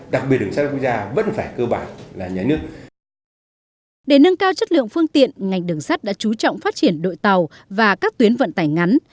để nâng cao chất lượng phương tiện ngành đường sắt đã chú trọng phát triển đội tàu và các tuyến vận tải ngắn